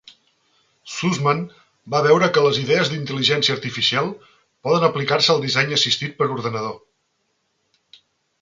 Sussman va veure que les idees d'intel·ligència artificial poden aplicar-se al disseny assistit per ordinador.